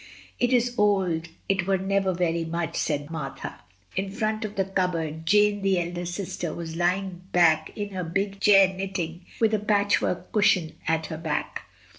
"It is old; it were never very much," said Martha. In front of the cupboard, Jane, the elder sister, was l)dng back in her big chair knitting, with a patchwork cushion at her back.